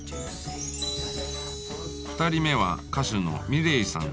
２人目は歌手のｍｉｌｅｔさん。